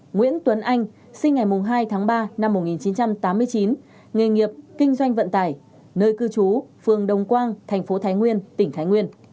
một mươi hai nguyễn tuấn anh sinh ngày hai tháng ba năm một nghìn chín trăm tám mươi chín nghề nghiệp kinh doanh vận tải nơi cư trú phường đông quang tp thái nguyên tỉnh thái nguyên